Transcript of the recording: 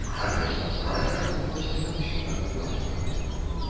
Але ж на справе апынулася не ўсё так гладка.